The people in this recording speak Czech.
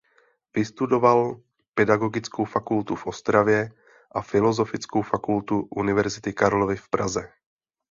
Vystudoval Pedagogickou fakultu v Ostravě a Filozofickou fakultu Univerzity Karlovy v Praze.